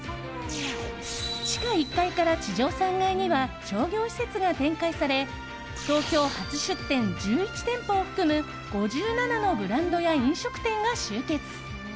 地下１階から地上３階には商業施設が展開され東京初出店１１店舗を含む５７のブランドや飲食店が集結。